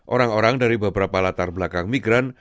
orang orang dari beberapa latar belakang migran